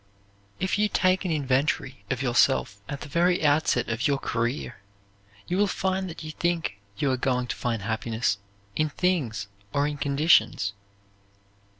If you take an inventory of yourself at the very outset of your career you will find that you think you are going to find happiness in things or in conditions.